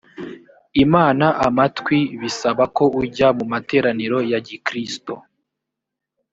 imana amatwi bisaba ko ujya mu materaniro ya gikristo